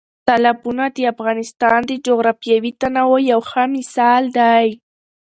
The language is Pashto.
تالابونه د افغانستان د جغرافیوي تنوع یو ښه مثال دی.